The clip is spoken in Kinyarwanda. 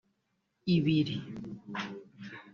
ibiri